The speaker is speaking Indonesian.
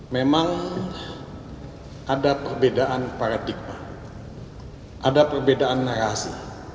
memang ada perbedaan paradigma ada perbedaan narasi